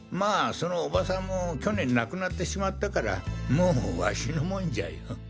その伯母さんも去年亡くなってしまったからもうワシのもんじゃよ！